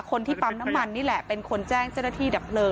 คนที่ปั๊มน้ำมันนี่แหละเป็นคนแจ้งเจ้าหน้าที่ดับเพลิง